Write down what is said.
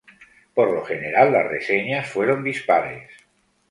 Por lo general, las reseñas fueron dispares.